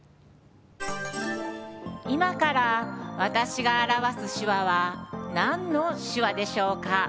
今から私が表す手話は何の手話でしょうか？